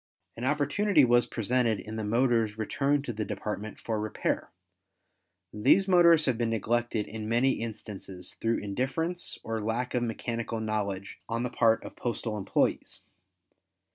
An opportunity was presented in the motors returned to the Department for repair. These motors have been neglected in many instances through indifference or lack of mechanical knowledge on the part of postal employes.